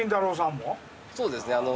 そうですね